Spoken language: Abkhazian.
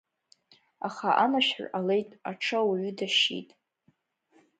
Аха амашәыр ҟалеит аҽы ауаҩы дашьит.